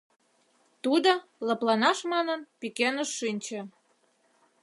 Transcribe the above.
Тудо, лыпланаш манын, пӱкеныш шинче.